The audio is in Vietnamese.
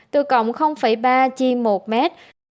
từ cộng ba chi một mét